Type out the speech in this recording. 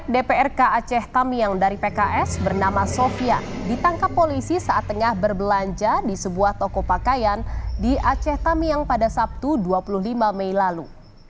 dprk aceh tamiang dari pks bernama sofia ditangkap polisi saat tengah berbelanja di sebuah toko pakaian di aceh tamiang pada sabtu dua puluh lima mei lalu